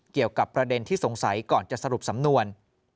เกี่ยวกับประเด็นที่สงสัยก่อนจะสรุปสำนวน